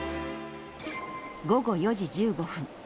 午後４時１５分。